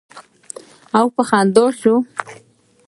او پۀ خندا شۀ ـ